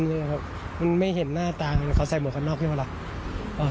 มันไม่เห็นหน้าตามันเขาใส่หมดคอนน็อคอยู่แล้วล่ะ